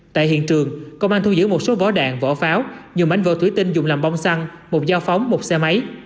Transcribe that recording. tại hiện trường công an thu giữ một số vỏ đạn vỏ pháo nhiều mánh vỏ thủy tinh dùng làm bông xăng một dao phóng một xe máy